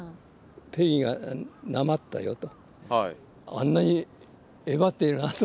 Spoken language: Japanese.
ペリーがなまったよと。